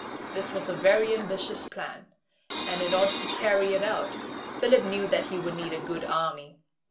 This was a very ambitious plan; and in order to carry it out, Philip knew that he would need a good army.